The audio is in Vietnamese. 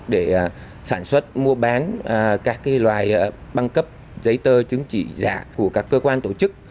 để sản xuất mua bán các loài băng cấp giấy tờ chứng chỉ giả của các cơ quan tổ chức